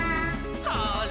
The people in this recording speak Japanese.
「ほら」